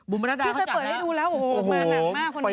บุมนาดาเขาจัดแล้วพี่ซัยเปิดให้ดูแล้วโอ้โหมาหนังมากคนนี้